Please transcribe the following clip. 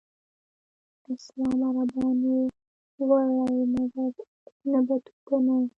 اسلام عربانو وړی مګر ابن بطوطه نه.